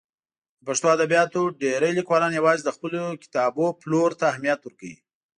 د پښتو ادبیاتو ډېری لیکوالان یوازې د خپلو کتابونو پلور ته اهمیت ورکوي.